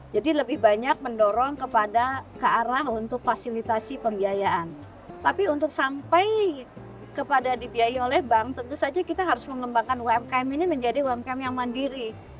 jadi lebih banyak mendorong kepada kearah untuk fasilitasi pembiayaan tapi untuk sampai kepada dibiayai oleh bank tentu saja kita harus mengembangkan umkm ini menjadi umkm yang mandiri